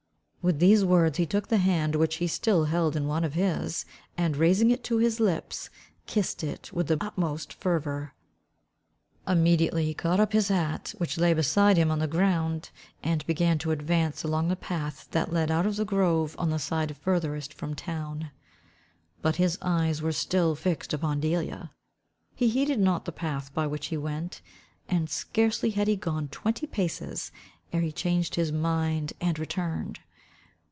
With these words he took the hand which he still held in one of his, and raising it to his lips, kissed it with the utmost fervour. Immediately he caught up his hat, which lay beside him on the ground, and began to advance along the path that led out of the grove on the side furthest from the town. But his eyes were still fixed upon Delia. He heeded not the path by which he went; and scarcely had he gone twenty paces, ere he changed his mind and returned.